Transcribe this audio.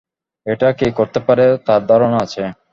এটা কে করতে পারে তার ধারণা আছে?